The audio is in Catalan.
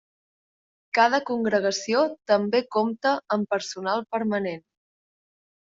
Cada congregació també compta amb personal permanent.